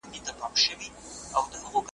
ايمان تردد نه قبولوي